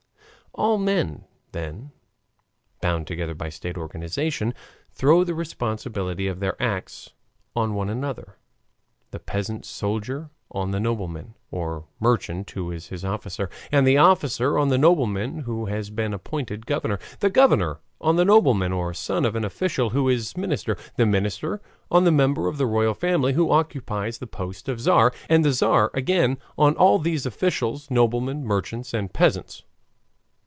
All men, then, bound together by state organization, throw the responsibility of their acts on one another, the peasant soldier on the nobleman or merchant who is his officer, and the officer on the nobleman who has been appointed governor, the governor on the nobleman or son of an official who is minister, the minister on the member of the royal family who occupies the post of Tzar, and the Tzar again on all these officials, noblemen, merchants, and peasants.